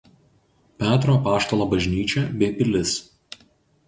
Petro Apaštalo bažnyčia bei pilis.